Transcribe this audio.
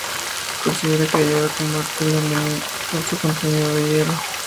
Se considera que ayuda a combatir la anemia, por su contenido de hierro.